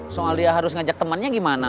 soal dia harus ngajak temannya gimana